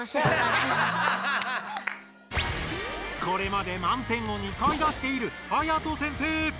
これまで満点を２回出しているはやと先生！